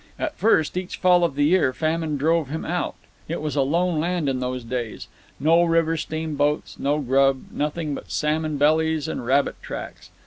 At first, each fall of the year, famine drove him out. It was a lone land in those days. No river steamboats, no grub, nothing but salmon bellies and rabbit tracks.